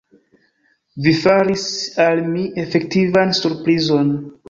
Vi faris al mi efektivan surprizon!